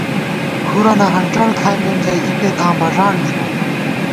کھُرَنہ ہنڄڑکھائیمېم ژئی اِپېک آں بݫاڑ دِبوم